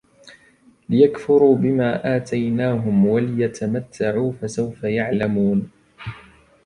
لِيَكْفُرُوا بِمَا آتَيْنَاهُمْ وَلِيَتَمَتَّعُوا فَسَوْفَ يَعْلَمُونَ